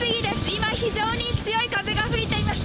今、非常に強い風が吹いています。